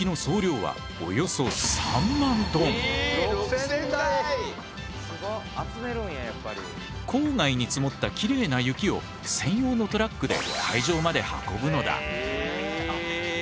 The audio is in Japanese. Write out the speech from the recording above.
しかしこの大雪像郊外に積もったきれいな雪を専用のトラックで会場まで運ぶのだ。